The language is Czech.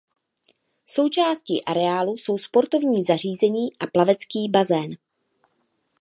Součástí areálu jsou sportovní zařízení a plavecký bazén.